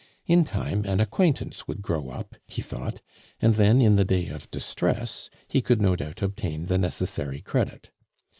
In time an acquaintance would grow up, he thought, and then in the day of distress he could no doubt obtain the necessary credit.